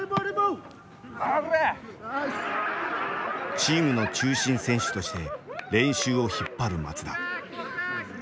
チームの中心選手として練習を引っ張る松田。